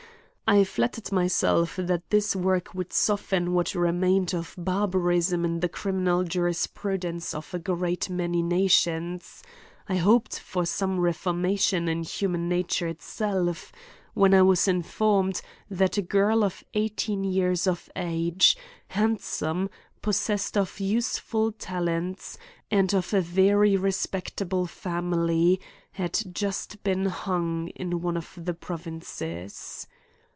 I flattered myself that this work would soften what remained of barba rism in the criminal jurisprudence of a great many nations ; I hoped for some reformation in human nature itself ; when I was informed that a girl of eighteen years of age, handsome, possessed of useful talents, and of a very respectable family, had just been hung in one of the provinces.